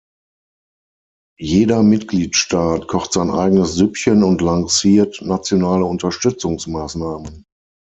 Jeder Mitgliedstaat kocht sein eigenes Süppchen und lanciert nationale Unterstützungsmaßnahmen.